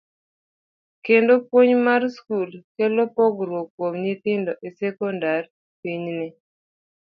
kendo puonj mar skul kelo pogruok kuom nyithindo e sekondar pinyni.